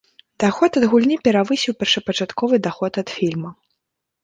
Даход ад гульні перавысіў першапачатковы даход ад фільма.